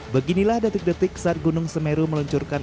beginilah detik detik saat gunung semeru meluncurkan